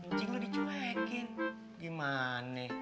ncing lu dicuekin gimana